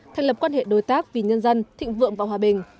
thành lập quan hệ đối tác vì nhân dân thịnh vượng và hòa bình